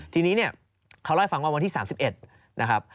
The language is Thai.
ทีนี้เนี่ยเขาเล่าให้ฟังว่าวันที่๓๑นะครับ